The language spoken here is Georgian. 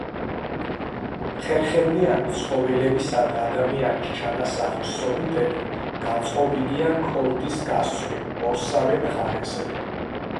ხერხემლიანი ცხოველებისა და ადამიანის ჩანასახის სომიტები გაწყობილია ქორდის გასწვრივ ორსავე მხარეზე.